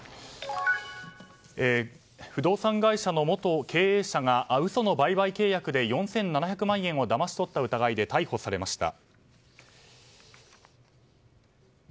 不動産会社の元経営者が嘘の売買契約で４７００万円をだまし取った疑いで逮捕されました。